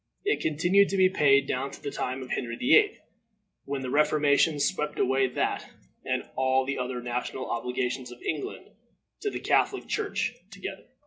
It continued to be paid down to the time of Henry VIII., when the reformation swept away that, and all the other national obligations of England to the Catholic Church together.